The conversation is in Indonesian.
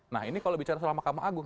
nah ini kalau bicara sama mahkamah agung